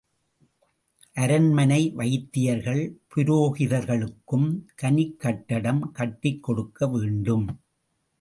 அரண்மனை வைத்தியர்கள், புரோகிதர்களுக்கும் தனிக் கட்டடம் கட்டிக் கொடுக்க வேண்டும்.